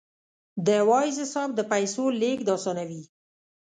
د وایز حساب د پیسو لیږد اسانوي.